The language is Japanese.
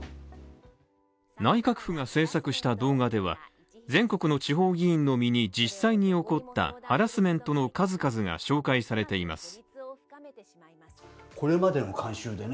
内閣府が制作した動画では、全国の地方議員の身に実際に起こったハラスメントの数々が紹介されています。